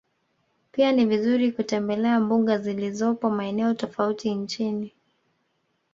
Pia ni vizuri kutembele mbuga ziolizopo maeneo tofauti nchini